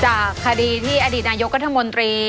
จากคดีที่อดีตนายกรัฐมนตรี